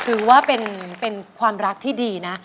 ถือว่าเป็นความรักที่ดีนะ